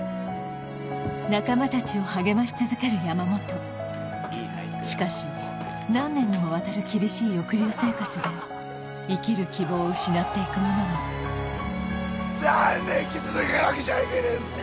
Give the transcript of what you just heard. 仲間たちを励まし続ける山本しかし何年にもわたる厳しい抑留生活で生きる希望を失っていく者も何で生き続けなくちゃいけねえんだよ